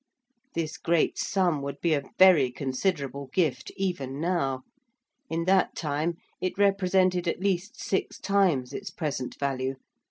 This great sum would be a very considerable gift even now. In that time it represented at least six times its present value.